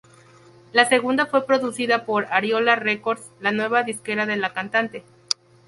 La segunda fue producida por Ariola Records, la nueva disquera de la cantante.